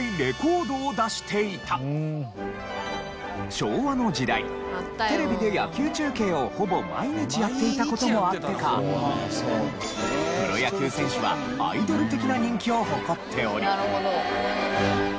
昭和の時代テレビで野球中継をほぼ毎日やっていた事もあってかプロ野球選手はアイドル的な人気を誇っており。